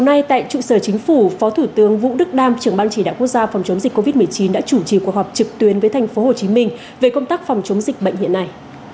hôm nay tại trụ sở chính phủ phó thủ tướng vũ đức đam trưởng ban chỉ đạo quốc gia phòng chống dịch covid một mươi chín đã chủ trì cuộc họp trực tuyến với thành phố hồ chí minh về công tác phòng chống dịch bệnh hiện nay